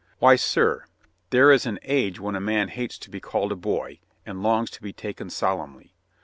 "Why, sir, there is an age when a man hates to be called a boy, and longs to be taken solemnly.